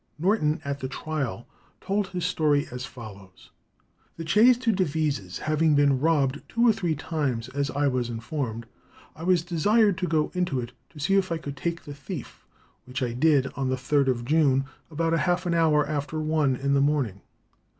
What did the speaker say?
Norton at the trial told his story as follows. "The chaise to Devizes having been robbed two or three times, as I was informed, I was desired to go into it, to see if I could take the thief, which I did on the third of June, about half an hour after one in the morning.